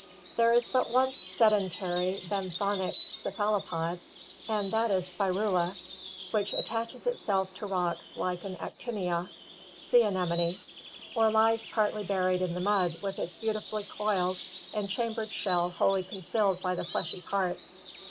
There is but one sedentary benthonic cephalopod, and that is Spi rula, "which attaches itself to rocks like an Actinia [sea anemone], or lies partly buried in the mud with its beautifully coiled and chambered shell wholly concealed by the fleshy parts.